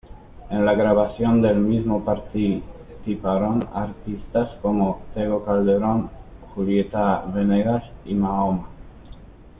En la grabación del mismo participaron artistas como Tego Calderon, Julieta Venegas y Mahoma.